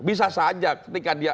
bisa saja ketika dia